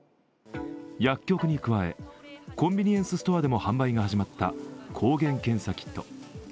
薬局に加え、コンビニエンスストアでも販売が始まった抗原検査キット。